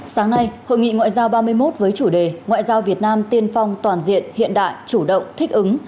sáng nay hội nghị ngoại giao ba mươi một với chủ đề ngoại giao việt nam tiên phong toàn diện hiện đại chủ động thích ứng